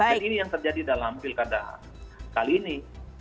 jadi ini yang terjadi dalam pilkada kali ini